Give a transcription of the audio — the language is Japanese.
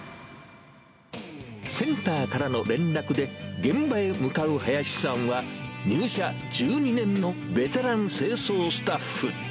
センターからの連絡で、現場へ向かう林さんは、入社１２年のベテラン清掃スタッフ。